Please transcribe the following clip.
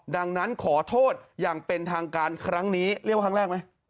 ดังนั้นขอโทษอย่างเป็นทางการครั้งนี้เรียกว่าครั้งแรกไหม